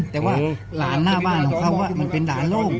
แต่ลานบนบ้านของเขาเป็นลานโล่